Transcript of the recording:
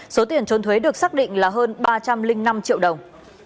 số tiền trốn thuế được xác định là hơn ba trăm linh năm triệu đồng